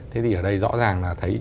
thế thì ở đây rõ ràng là thấy